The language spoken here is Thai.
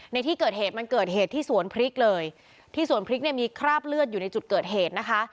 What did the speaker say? ในที่เกิดเหตุมันเกิดเหตุที่สวนพริกเลยที่สวนพริกเนี่ยมีคราบเลือดอยู่ในจุดเกิดเหตุนะคะ